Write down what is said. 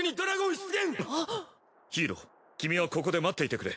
ヒイロ君はここで待っていてくれ。